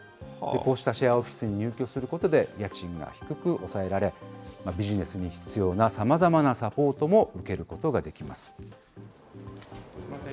こうしたシェアオフィスに入居することで、家賃が低く抑えられ、ビジネスに必要なさまざまなサポートも受けることができます。